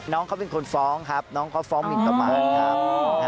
น้องเขาเป็นคนฟ้องครับน้องเขาฟ้องหมินประมาณครับ